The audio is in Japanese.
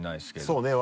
そうね